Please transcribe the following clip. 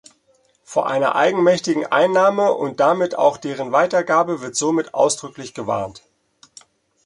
Vor einer eigenmächtigen Einnahme und damit auch deren Weitergabe wird somit ausdrücklich gewarnt.